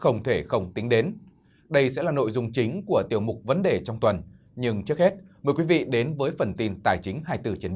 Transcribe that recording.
nhưng trước hết mời quý vị đến với phần tin tài chính hai mươi bốn bảy